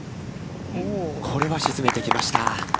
これは沈めてきました。